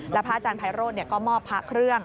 พระอาจารย์ไพโรธก็มอบพระเครื่อง